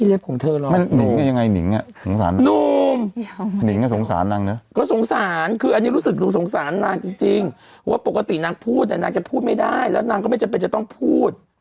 แล้วนางก็ไม่จำเป็นจะต้องพูด